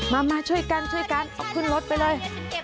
มาช่วยกันเอาขึ้นรถไปเลย